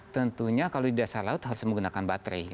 tentunya kalau di dasar laut harus menggunakan baterai